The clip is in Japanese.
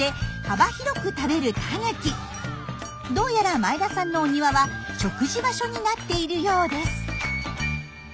どうやら前田さんのお庭は食事場所になっているようです。